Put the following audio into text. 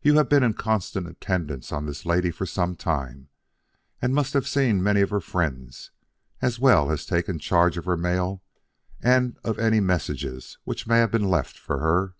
You have been in constant attendance on this lady for some time and must have seen many of her friends, as well as taken charge of her mail and of any messages which may have been left for her.